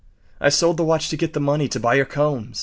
I sold the watch to get the money to buy your combs.